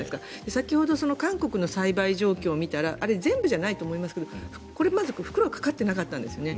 先ほど、韓国の栽培状況を見たら全部じゃないと思いますがこれ、まず、袋がかかっていなかったんですね。